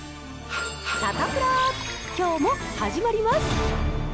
サタプラ、きょうも始まります。